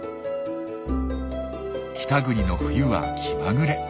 北国の冬は気まぐれ。